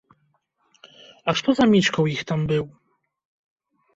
А што за мішка ў іх там быў?